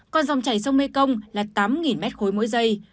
còn dòng chảy sông mekong là tám mét khối mỗi dây